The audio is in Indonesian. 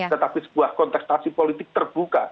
tetapi sebuah kontestasi politik terbuka